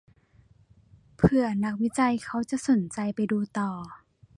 เผื่อนักวิจัยเขาจะสนใจไปดูต่อ